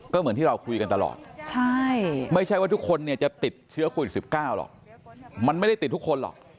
ก็เหมือนที่เราคุยกันตลอดไม่ใช่ว่าทุกคนเนี่ยจะติดเชื้อโควิด๑๙หรอกมันไม่ได้ติดทุกคนหรอก